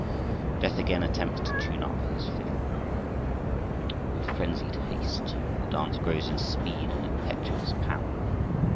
Death again attempts to tune up his fiddle, with frenzied haste, and the dance grows in speed and impetuous power.